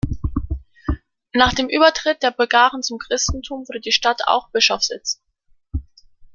Nach dem Übertritt der Bulgaren zum Christentum wurde die Stadt auch Bischofssitz.